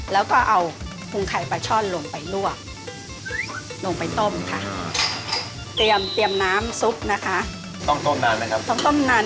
เพราะว่ายังมีฟังเยอะมีฟังอะไรอย่างนี้นะคะ